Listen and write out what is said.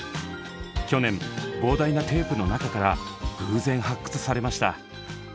去年膨大なテープの中から偶然発掘されました。